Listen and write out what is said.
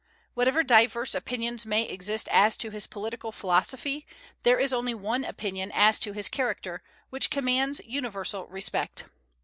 Whatever diverse opinions may exist as to his political philosophy, there is only one opinion as to his character, which commands universal respect.